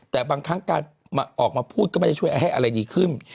แต่บางครั้งการออกมาพูดก็ไม่ได้ช่วยให้อะไรดีขึ้น